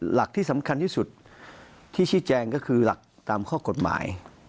หลักที่สำคัญที่สุดที่ชี้แจงก็คือหลักตามข้อกฎหมาย